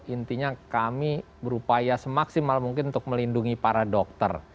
intinya kami berupaya semaksimal mungkin untuk melindungi para dokter